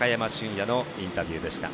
野のインタビューでした。